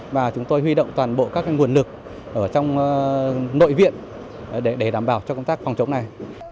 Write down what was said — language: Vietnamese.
và chúng tôi huy động toàn bộ các nguồn lực ở trong nội viện để đảm bảo cho công tác phòng chống này